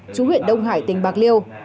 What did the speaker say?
chủ huyện đông hải tỉnh bạc liêu